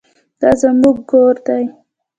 دا زموږ ګور دی؟